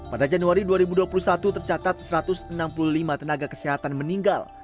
pada januari dua ribu dua puluh satu tercatat satu ratus enam puluh lima tenaga kesehatan meninggal